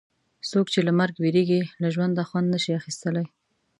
څوک چې له مرګ وېرېږي له ژونده خوند نه شي اخیستلای.